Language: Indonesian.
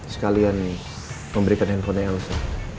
sekalian memberikan handphonenya elsa